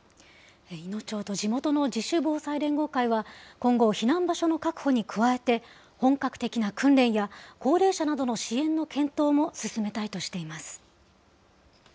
いの町と地元の自主防災連合会は、今後、避難場所の確保に加え、本格的な訓練や高齢者などの支援の検討も進めたいとしています。